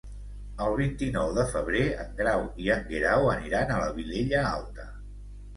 El vint-i-nou de febrer en Grau i en Guerau aniran a la Vilella Alta.